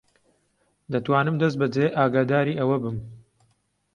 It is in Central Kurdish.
دەتوانم دەستبەجێ ئاگاداری ئەوە بم.